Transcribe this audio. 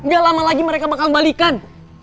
gak lama lagi mereka bakal balikan